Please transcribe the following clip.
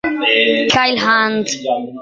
Kyle Hunt